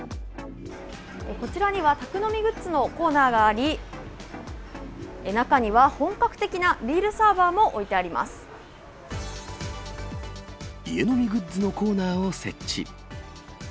こちらには、宅飲みグッズのコーナーがあり、中には本格的なビールサーバーも家飲みグッズのコーナーを設置。